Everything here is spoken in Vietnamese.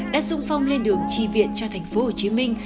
đã dung phong lên đường tri viện cho thành phố hồ chí minh